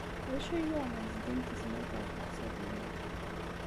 D acu ay yuɣen Ɛezdin n Tezmalt, ɣef leḥsab-nnek?